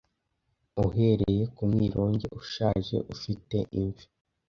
uhereye ku mwironge ushaje ufite imvi